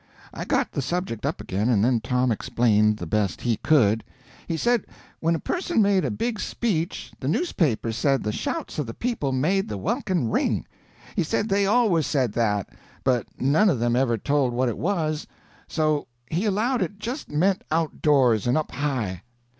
I got the subject up again, and then Tom explained, the best he could. He said when a person made a big speech the newspapers said the shouts of the people made the welkin ring. He said they always said that, but none of them ever told what it was, so he allowed it just meant outdoors and up high.